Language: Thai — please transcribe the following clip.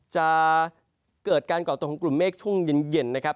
จะเกิดการก่อตัวของกลุ่มเมฆช่วงเย็นนะครับ